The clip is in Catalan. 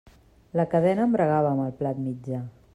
La cadena embragava amb el plat mitjà.